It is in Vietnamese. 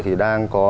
thì đang có